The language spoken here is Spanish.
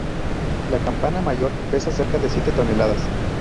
La campana mayor pesa cerca de siete toneladas.